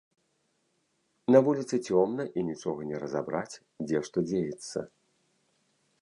На вуліцы цёмна, і нічога не разабраць, дзе што дзеецца.